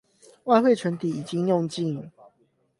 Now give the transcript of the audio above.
外匯存底已經用盡